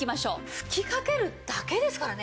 吹きかけるだけですからね。